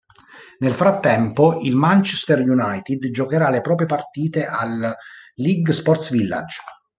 Nel frattempo, il Manchester United giocherà le proprie partite al Leigh Sports Village.